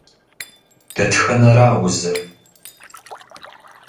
Дэтхэнэра узыр?